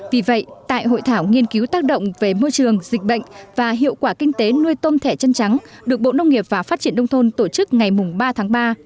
vì vậy tại hội thảo nghiên cứu tác động về môi trường dịch bệnh và hiệu quả kinh tế nuôi tôm thẻ chân trắng được bộ nông nghiệp và phát triển đông thôn tổ chức ngày ba tháng ba